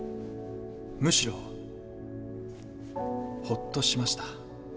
むしろホッとしました。